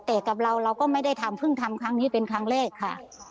แต่กับเราเราก็ไม่ได้ทำเพิ่งทำครั้งนี้เป็นครั้งแรกค่ะ